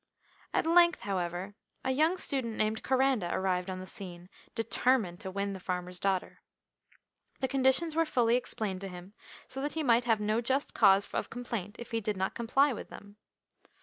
At length, however, a young student named Coranda arrived on the scene, determined to win the farmer's daughter. The conditions were fully explained to him, so that he might have no just cause of complaint if he did not comply with them.